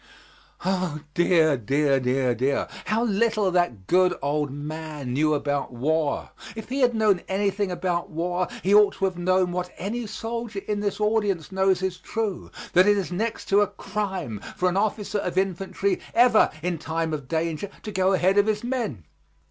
'" Oh, dear, dear, dear, dear! How little that good, old man knew about war. If he had known anything about war, he ought to have known what any soldier in this audience knows is true, that it is next to a crime for an officer of infantry ever in time of danger to go ahead of his men.